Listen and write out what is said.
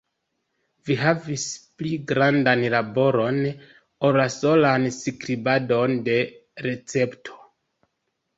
Vi havis pli grandan laboron, ol la solan skribadon de recepto.